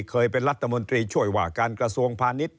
เคยเป็นรัฐมนตรีช่วยว่าการกระทรวงพาณิชย